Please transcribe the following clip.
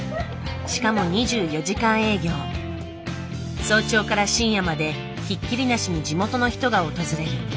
しかも早朝から深夜までひっきりなしに地元の人が訪れる。